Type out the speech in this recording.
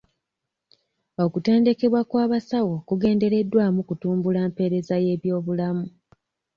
Okutendekebwa kw'abasawo kugendereddwamu kutumbula mpeerezay'ebyobulamu.